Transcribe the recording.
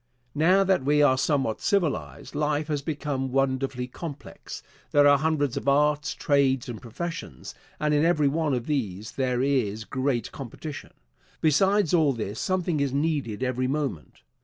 Now that we are somewhat civilized, life has become wonderfully complex. There are hundreds of arts, trades, and professions, and in every one of these there is great competition. Besides all this, something is needed every moment.